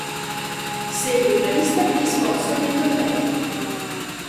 Segue una lista degli sponsor del torneo.